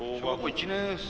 １年生。